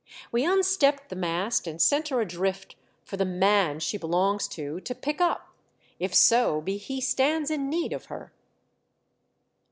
We unstepped the mast and sent her adrift for the man she belongs to to pick up, if so be he stands in need of her."